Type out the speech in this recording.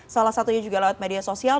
salah satunya juga lewat media sosial